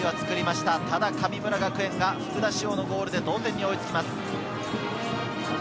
ただ、神村学園が福田師王のゴールで同点に追いつきます。